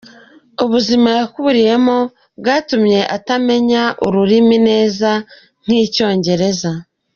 Ubuzima yakuriyemo bwatumye atamenya uru rurimi neza nk’Icyongereza.